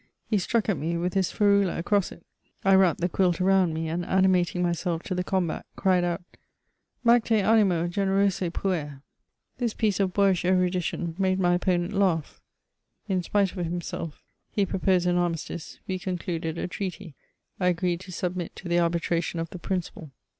He struck at me with his ferula across it. I wrapped the quilt around me, and animating mysdf to the combat, cried out :Macte anim^f ffcnerose pver /'* This piece of boyish erudition made my opponent laugh in fl 2 100 MEMOIRS OF spite of himself. He proposed an aniustice : we concluded a treaty : I agreed to submit to the arbitration of the Principal.